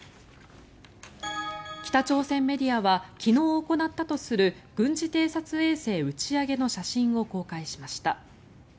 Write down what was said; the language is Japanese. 北朝鮮メディアは昨日行ったとする軍事偵察衛星打ち上げの写真を公開しました。